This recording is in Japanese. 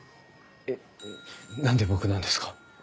えっ何で僕なんですか？